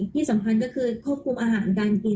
ที่สำคัญก็คือควบคุมอาหารการกิน